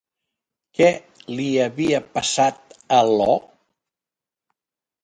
Què li havia passat a Io?